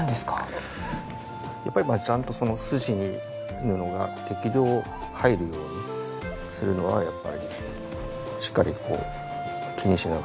やっぱりちゃんとその筋に布が適量入るようにするのはやっぱりしっかりこう気にしながらやってます。